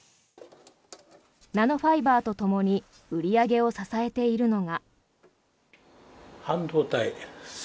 ナノファイバーとともに売り上げを支えているのが。